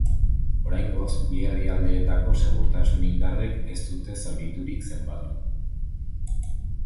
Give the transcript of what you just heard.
Oraingoz, bi herrialdeetako segurtasun indarrek ez dute zauriturik zenbatu.